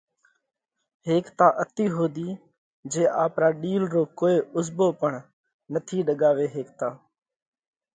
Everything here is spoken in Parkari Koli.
ھيڪتا اتي ۿُوڌِي جي آپرا ڏِيل رو ڪوئي اُزڀو پڻ نٿِي ڏڳاوي ھيڪتا.